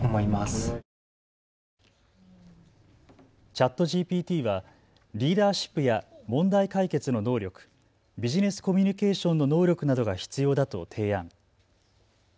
ＣｈａｔＧＰＴはリーダーシップや問題解決の能力、ビジネスコミュニケーションの能力などが必要だと提案。